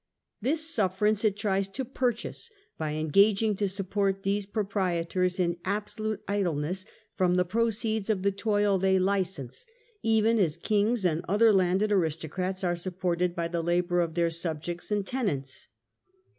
This sufferance it tries to purchase by engaging to support these proprietors in absolute idleness, fro m the proceeds of the toil they license, even as kings and other landed aristocrats are supported by the labor of their subjects and ten ants.